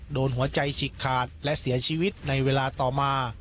โดนหัวใจฉีกขาดและเสียชีวิตในเวลาต่อมา